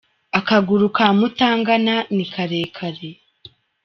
Akaguru ka mutangana ni karekare.